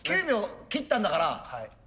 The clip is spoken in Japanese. ９秒切ったんだから。